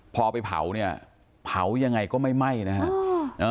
พอไปเผาเนี่ยเผายังไงก็ไม่ไหม้นะฮะ